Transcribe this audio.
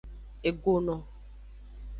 Egono.